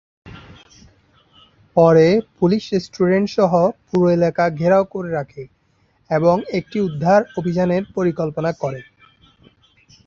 পরে police restaurant সহ পুরো এলাকা ঘেরাও করে রাখে এবং একটি উদ্ধার অভিযানের পরিকল্পনা করে।